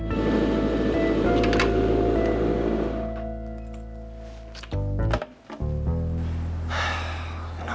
ya aku pergi ya